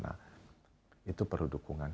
nah itu perlu dukungan